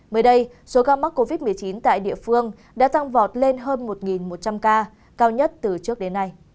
mới đây số ca mắc covid một mươi chín tại địa phương đã tăng vọt lên hơn một một trăm linh ca cao nhất từ trước đến nay